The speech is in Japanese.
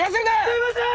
すいません！